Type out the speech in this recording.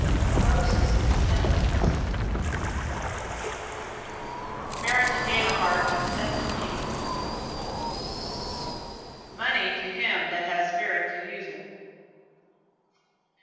TOASTS AND SENTIMENTS Merit to gain a heart, and sense to keep it. Money to him that has spirit to use it.